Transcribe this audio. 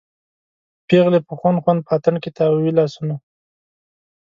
پیغلې په خوند خوند په اتڼ کې تاووي لاسونه